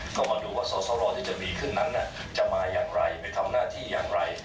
ก็มาดูว่าสอสรที่จะมีขึ้นนั้นจะมาอย่างไรไปทำหน้าที่อย่างไร